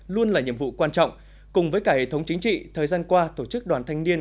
luôn là nhiệm vụ quan trọng cùng với cả hệ thống chính trị thời gian qua tổ chức đoàn thanh niên